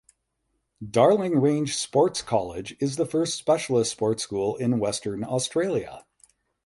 Darling Range Sports College is the first specialist sports school in Western Australia.